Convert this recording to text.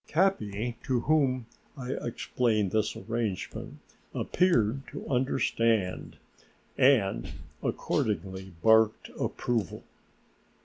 Capi, to whom I explained this arrangement, appeared to understand and accordingly barked approval.